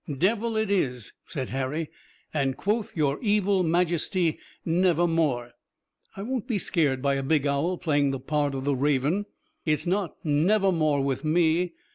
"Devil it is," said Harry, "and quoth your evil majesty 'never more.' I won't be scared by a big owl playing the part of the raven. It's not 'nevermore' with me.